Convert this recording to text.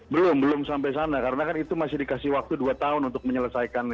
belum belum sampai sana karena kan itu masih dikasih waktu dua tahun untuk menyelesaikan